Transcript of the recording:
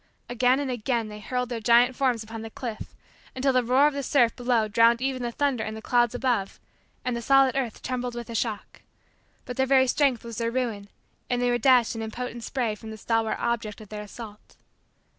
Again and again they hurled their giant forms upon the cliff, until the roar of the surf below drowned even the thunder in the clouds above and the solid earth trembled with the shock, but their very strength was their ruin and they were dashed in impotent spray from the stalwart object of their assault.